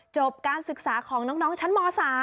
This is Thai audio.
จบการศึกษาของน้องชั้นม๓